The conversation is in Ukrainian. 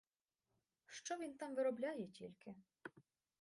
Що він там виробляє тільки!